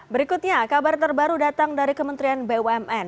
berikutnya kabar terbaru datang dari kementerian bumn